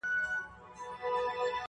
کرۍ ورځ یم وږې تږې ګرځېدلې!!